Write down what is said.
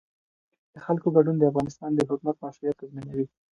د خلکو ګډون د افغانستان د حکومت مشروعیت تضمینوي